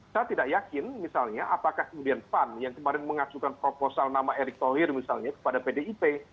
saya tidak yakin misalnya apakah kemudian pan yang kemarin mengajukan proposal nama erick thohir misalnya kepada pdip